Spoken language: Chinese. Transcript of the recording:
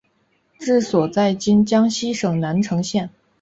治所在今江西省南城县。